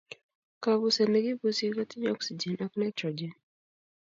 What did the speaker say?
Kapuset ne kipusi ko tinyei oksijen ak naitrojen